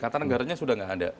kata negaranya sudah tidak ada